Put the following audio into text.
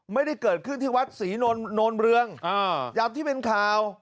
ไม่ได้เกิดขึ้นที่วัดศรีโนนเรืองอย่างที่เป็นข่าว